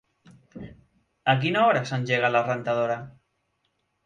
A quina hora s'engega la rentadora?